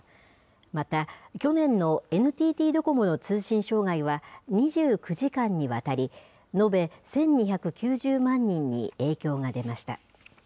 また、去年のＮＴＴドコモの通信障害は延べ２９時間にわたり、延べ１２９０万人に影響が出ました。